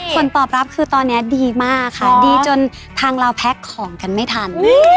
ผลตอบรับคือตอนนี้ดีมากค่ะดีจนทางเราแพ็คของกันไม่ทัน